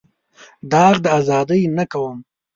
داغ د ازادۍ نه کوم.